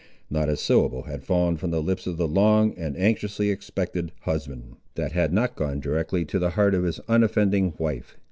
Not a syllable had fallen from the lips of the long and anxiously expected husband, that had not gone directly to the heart of his unoffending wife.